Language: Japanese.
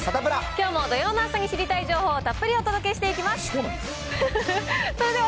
きょうも土曜の朝に知りたい情報をたっぷりお届けしていきまそうなんです。